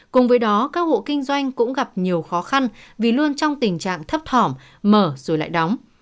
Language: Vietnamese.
cùng với đó các hộ kinh doanh cũng gặp nhiều khó khăn vì luôn trong tình trạng thấp thỏm mở rồi lại đóng